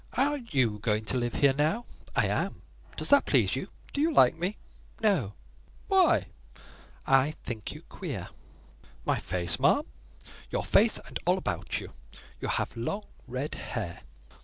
"Are you going to live here now?" "I am. Does that please you? Do you like me?" "No." "Why?" "I think you queer." "My face, ma'am?" "Your face and all about you: You have long red hair."